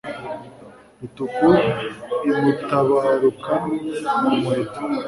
Rutuku imutabarukana ku muheto.